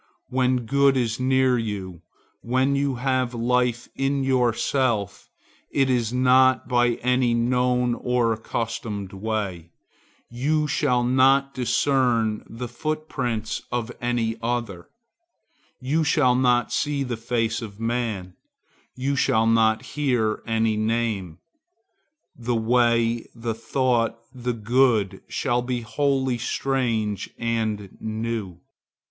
When good is near you, when you have life in yourself, it is not by any known or accustomed way; you shall not discern the footprints of any other; you shall not see the face of man; you shall not hear any name;—the way, the thought, the good shall be wholly strange and new.